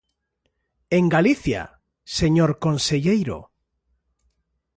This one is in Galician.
¿En Galicia, señor conselleiro?